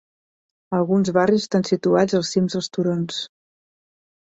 Alguns barris estan situats als cims dels turons.